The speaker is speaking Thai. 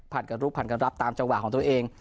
ผัดกับรูปผัดกับรับตามจังหว่าของตัวเอง